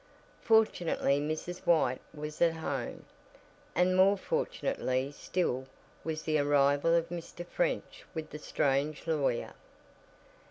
Fortunately Mrs. White was at home, and more fortunately still was the arrival of Mr. French with the strange lawyer.